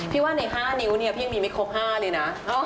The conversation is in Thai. พี่ว่าใน๕นิ้วนี้พี่มีไม่ครบ๕เลยนะ